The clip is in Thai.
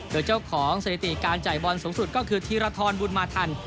โดยเจ้าของสถิติการจ่ายบอลสูงสุดก็คือธีรทรบุญมาทัน